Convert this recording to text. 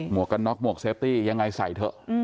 วกกันน็อกหมวกเซฟตี้ยังไงใส่เถอะ